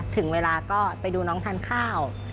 ถึงเวลาก็ไปดูน้องทานข้าว